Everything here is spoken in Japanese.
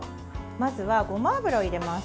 まずは、ごま油を入れます。